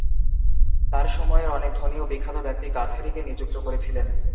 তার সময়ের অনেক ধনী ও বিখ্যাত ব্যক্তি গাথরিকে নিযুক্ত করেছিলেন।